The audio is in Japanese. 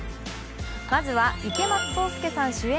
まずは池松壮亮主演